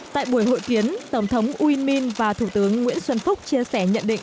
tại buổi hội kiến tổng thống uyên minh và thủ tướng nguyễn xuân phúc chia sẻ nhận định